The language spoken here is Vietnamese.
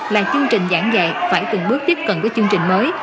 là chương trình giảng dạy phải từng bước tiếp cận với chương trình mới